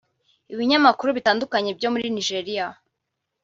Ibinyamakuru bitandukanye byo muri Nigeria